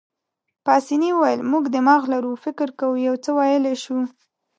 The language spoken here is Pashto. پاسیني وویل: موږ دماغ لرو، فکر کوو، یو څه ویلای شو.